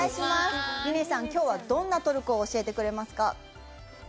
みねさん、きょうはどんなトルコを教えてくれますか？